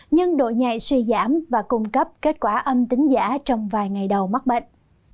nhưng độ nhạy suy giảm và cung cấp kết quả âm tính giả trong vài ngày đầu mắc bệnh